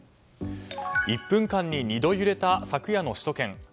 １分間に２度揺れた昨夜の首都圏。